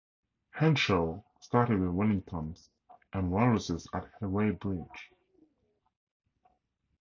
Henshaw started with Wellingtons and Walruses at Weybridge.